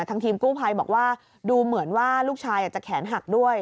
ทางทีมกู้ภัยบอกว่าดูเหมือนว่าลูกชายอาจจะแขนหักด้วย